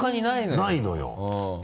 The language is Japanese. ないのよ。